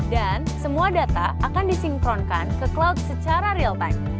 dan semua data akan disinkronkan ke cloud secara real time